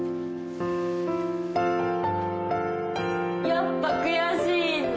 やっぱ悔しいんだ！